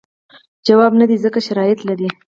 ځواب نه دی ځکه شرایط لري.